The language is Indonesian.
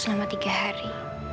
selama tiga hari